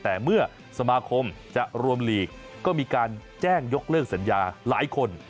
แต่เมื่อสมาคมจะรวมหลีกก็มีการแจ้งยกเลิกสัญญาหลายคน